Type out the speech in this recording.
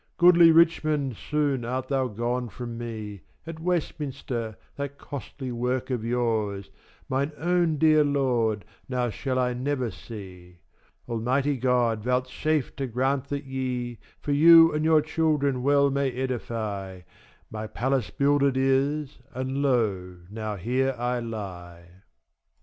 Goodly Richmond soon art thou gone from me; At Westminster, that costly work of yours, Mine own dear lord, now shall I never see. Almighty God vouchsafe to grant that ye, For you and your children well may edify! My palace builded is, and lo now here I lie.